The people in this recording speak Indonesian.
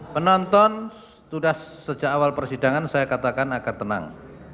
penonton sudah sejak awal persidangan saya katakan akan tenang